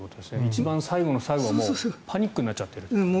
一番最後の最後はパニックになっていると。